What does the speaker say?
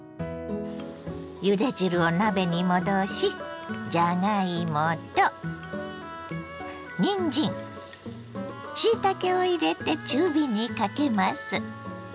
ゆで汁を鍋に戻しじゃがいもとにんじんしいたけを入れて中火にかけます。